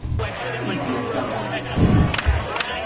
Eg taɣtest.